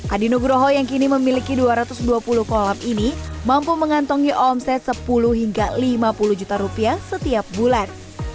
adi nugroho yang kini memiliki dua ratus dua puluh kolam ini mampu mengantongi omset sepuluh hingga lima puluh juta rupiah setiap bulan